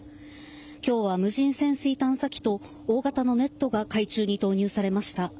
今日は無人潜水探査機と大型のネットが海中に投入されました。